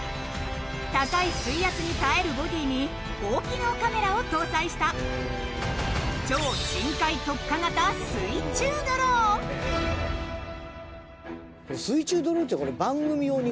高い水圧に耐えるボディーに高機能カメラを搭載した超深海特化型水中ドローン！